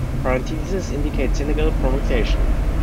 Parentheses indicate Senegal pronunciation.